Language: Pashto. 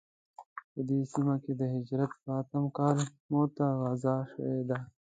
په دې سیمه کې د هجرت په اتم کال موته غزا شوې ده.